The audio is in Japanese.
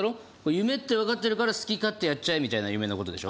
夢ってわかってるから好き勝手やっちゃえみたいな夢のことでしょ？